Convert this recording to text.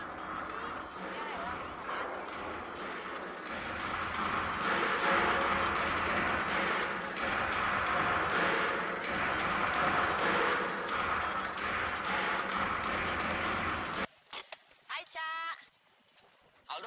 lancang sekali kalian